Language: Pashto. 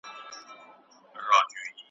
د ستونزو پر وخت صبر وکړئ.